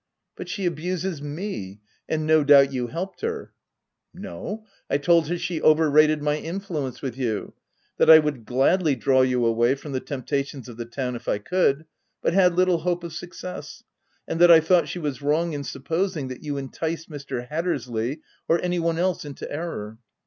192 THE TENANT "But she abuses me ; and no doubt you helped her/' "No ; I told her she over rated my influence with you, that I would gladly draw you away from the temptations of the town if I could, but had little hope of success^ and that I thought she was wrong in supposing that you enticed Mr. Hattersley or any one else into error.